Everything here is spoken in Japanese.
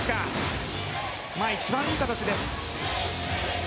今、一番いい形です。